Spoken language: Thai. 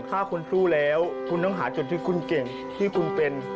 ถ้าคุณครูแล้วคุณต้องหาจุดที่คุณเก่งที่คุณเป็น